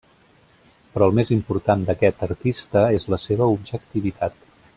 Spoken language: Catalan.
Però el més important d'aquest artista és la seva objectivitat.